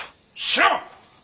知らん！